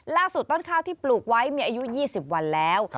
ต้นข้าวที่ปลูกไว้มีอายุ๒๐วันแล้ว